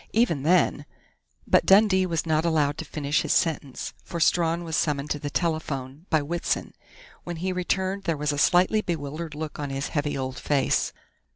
Even then " But Dundee was not allowed to finish his sentence, for Strawn was summoned to the telephone, by Whitson. When he returned there was a slightly bewildered look on his heavy old face.